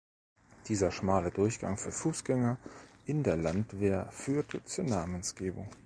Dieser schmale Durchgang für Fußgänger in der Landwehr führte zur Namensgebung.